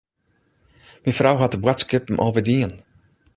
Myn frou hat de boadskippen al wer dien.